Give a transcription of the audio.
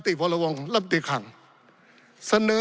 ปี๑เกณฑ์ทหารแสน๒